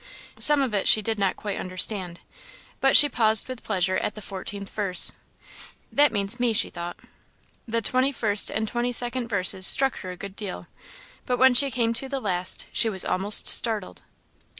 Some of it she did not quite understand; but she paused with pleasure at the 14th verse. "That means me," she thought. The 21st and 22d verses struck her a good deal, but when she came to the last she was almost startled.